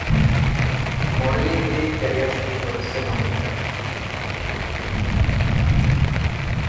Modelling দিয়েই career শুরু করেছিলেন অমৃতা।